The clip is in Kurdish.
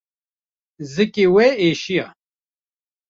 Zikê wê êşiya.